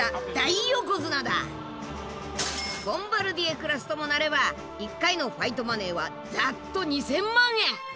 ボンバルディエクラスともなれば１回のファイトマネーはざっと２，０００万円！